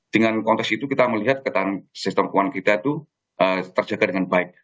dengan konteks itu kita melihat ketahanan sistem keuangan kita itu terjaga dengan baik